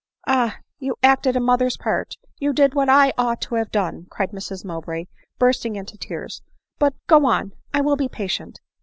" Ah ! you acted a mother's part — you did what I ought to have done," cried Mrs Mowbray, bursting into tears —" but, go on — I will be patient."